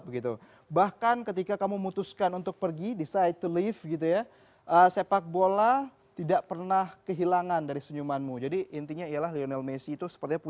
yang paling penting adalah ronaldinho